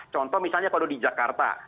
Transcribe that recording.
contoh misalnya kalau di jakarta